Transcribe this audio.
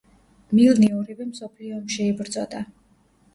მილნი ორივე მსოფლიო ომში იბრძოდა.